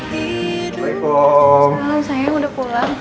assalamu'alaikum sayang udah pulang